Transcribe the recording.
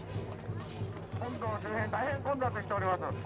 本堂周辺大変混雑しております。